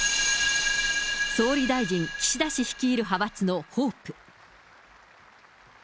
総理大臣、岸田氏率いる派閥のホープ。